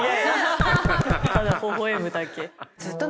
ただ微笑むだけ。